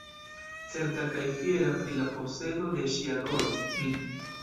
Certa kaj fiera pri la posedo de ŝia koro, mi.